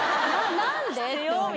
何で？って思う。